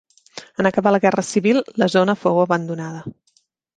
En acabar la Guerra Civil, la zona fou abandonada.